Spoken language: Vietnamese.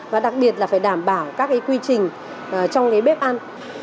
và đặc biệt là phải đảm bảo các cái quy trình trong cái bếp ăn